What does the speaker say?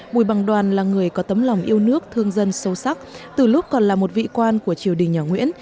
bùi bằng đoàn là người có tấm lòng yêu nước thương dân sâu sắc từ lúc còn là một vị quan của triều đình nhà nguyễn